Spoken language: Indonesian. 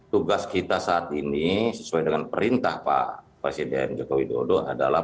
tugas kita saat ini sesuai dengan perintah pak presiden joko widodo adalah